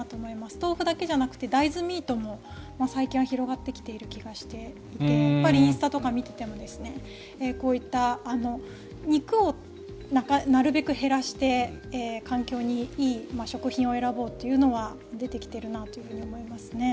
豆腐だけじゃなくて大豆ミートも最近は広がってきている気がしていてやっぱりインスタとかを見ていてもこういった肉をなるべく減らして環境にいい食品を選ぼうというのは出てきているなと思いますね。